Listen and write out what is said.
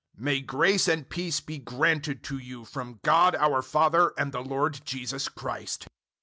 001:002 May grace and peace be granted to you from God our Father and the Lord Jesus Christ.